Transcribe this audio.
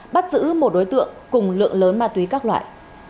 bắt giữ một đối tượng cùng lượng lớn ma túy các loại